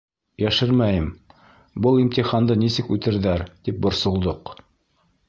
Йәшермәйем, был имтиханды нисек үтерҙәр, тип борсолдоҡ.